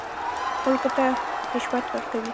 خلکو ته رشوت ورکوي.